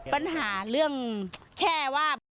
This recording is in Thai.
ปัญหาเรื่องแค่ว่า